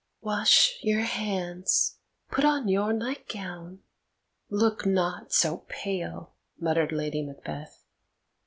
"Wash your hands; put on your nightgown, look not so pale!" muttered Lady Macbeth.